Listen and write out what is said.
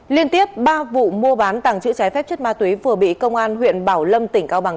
liên tiếp ba vụ mua bán tàng chữ trái phép chất ma túy vừa bị công an huyện bảo lâm tỉnh cao bằng